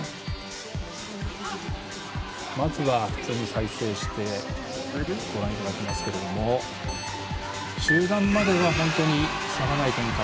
まずは普通に再生してご覧いただきますけれども中盤までは差がない展開。